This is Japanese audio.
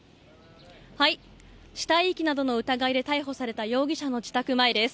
死体遺棄などの疑いで逮捕された容疑者の自宅前です。